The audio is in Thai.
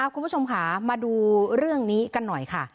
คุณผู้ชมค่ะมาดูเรื่องนี้กันหน่อยค่ะ